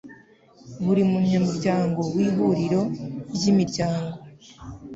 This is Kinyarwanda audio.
buri munyamuryango w ihuriro ry imiryango